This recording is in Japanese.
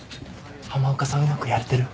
浜岡さんうまくやれてる？